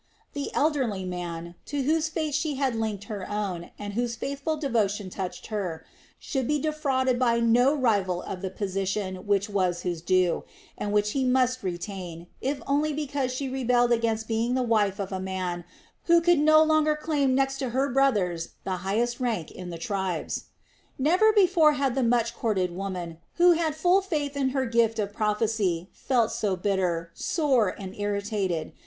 The elderly man, to whose fate she had linked her own, and whose faithful devotion touched her, should be defrauded by no rival of the position which was his due, and which he must retain, if only because she rebelled against being the wife of a man who could no longer claim next to her brothers the highest rank in the tribes. Never before had the much courted woman, who had full faith in her gift of prophesy, felt so bitter, sore, and irritated.